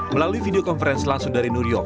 melalui video konferensi langsung dari new york